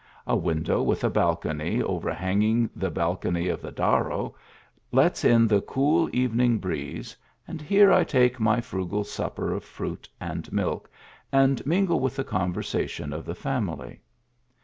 A window with a balcony overhanging the balcony of the Darro, lets in the cool evening breeze, and here I take my frugal supper of fruit and milk, and mingle with the conversation of the family.